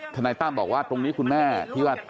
นายตั้มบอกว่าตรงนี้คุณแม่ที่ว่า